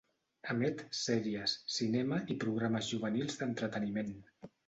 Emet sèries, cinema i programes juvenils d'entreteniment.